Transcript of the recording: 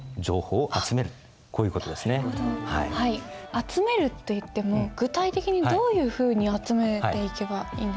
集めるといっても具体的にどういうふうに集めていけばいいんですか？